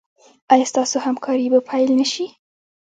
ایا ستاسو همکاري به پیل نه شي؟